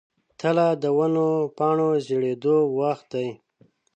تله د ونو د پاڼو ژیړیدو وخت دی.